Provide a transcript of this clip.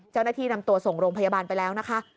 เจ้าหน้าที่นำตัวส่งโรงพยาบาลไปแล้วนะคะ